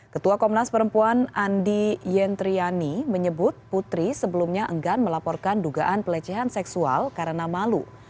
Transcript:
ketua komnas perempuan andi yentriani menyebut putri sebelumnya enggan melaporkan dugaan pelecehan seksual karena malu